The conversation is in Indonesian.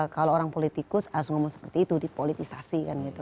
kalau orang politikus harus ngomong seperti itu dipolitisasi kan gitu